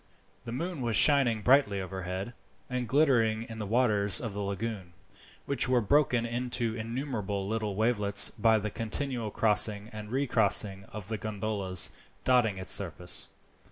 The moon was shining brightly overhead, and glittering in the waters of the lagoon, which were broken into innumerable little wavelets by the continual crossing and recrossing of the gondolas dotting its surface.